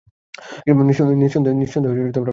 নিঃসন্দেহে আমি দেখতে চাইতাম।